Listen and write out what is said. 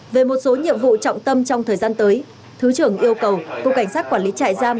về một số nhiệm vụ trọng tâm trong thời gian tới thứ trưởng yêu cầu cục cảnh sát quản lý trại giam